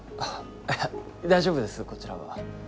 いや大丈夫ですこちらは。